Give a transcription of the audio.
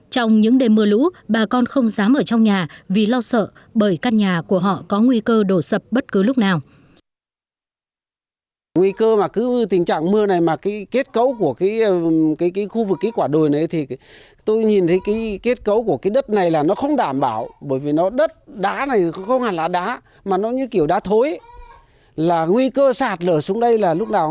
trong những đêm mưa lũ bà con không dám ở trong nhà vì lo sợ